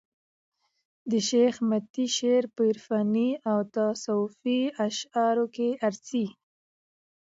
د شېخ متي شعر په عرفاني او تصوفي اشعارو کښي راځي.